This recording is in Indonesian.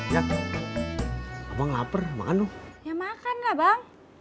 ya abang lapar makan dong ya makan lah bang